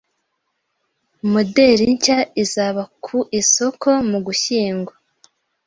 Moderi nshya izaba ku isoko mu Gushyingo